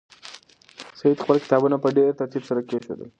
سعید خپل کتابونه په ډېر ترتیب سره کېښودل.